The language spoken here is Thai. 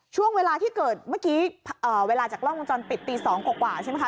ช่วงเวลาที่เกิดเมื่อกี้เวลาจากกล้องวงจรปิดตี๒กว่าใช่ไหมคะ